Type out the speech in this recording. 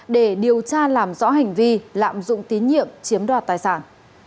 để điều tra làm rõ hành vi lạm dụng tín nhiệm chiếm đoạt tài sản